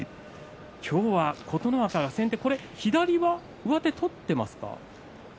今日は琴ノ若が先手左は上手を取っていますか？